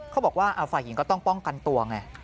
เขาบอกว่าฝ่ายหญิงก็ต้องป้องกันตัวไง